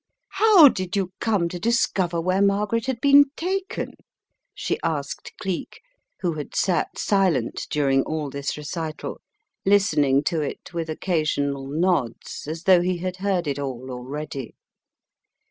"How did you come to discover where Margaret had been taken?" she asked Cleek who had sat silent during all this recital, listening to it with occasional nods as though he had heard it all already.